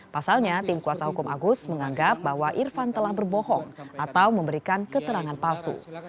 pasalnya tim kuasa hukum agus menganggap bahwa irfan telah berbohong atau memberikan keterangan palsu